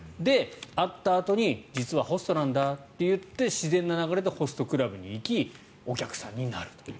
会ったあとに実はホストなんだと言って自然な流れでホストクラブに行きお客さんになる。